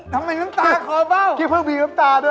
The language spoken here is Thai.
ทำไมน้ำตาคอเบ้าพี่เพิ่งผิดน้ำตาด้วย